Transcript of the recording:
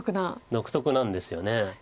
独特なんですよね。